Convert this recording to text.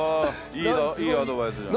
いいいいアドバイスじゃん。